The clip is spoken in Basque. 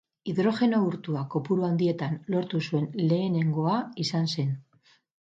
Hidrogeno urtua kopuru handietan lortu zuen lehenengoa izan zen.